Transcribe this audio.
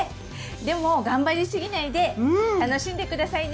でも頑張りすぎないで楽しんで下さいね！